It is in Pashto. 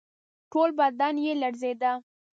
ټول بدن یې لړزېده.